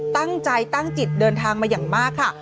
ตั้งใจตั้งจิตเดินทางมาอย่างมากค่ะ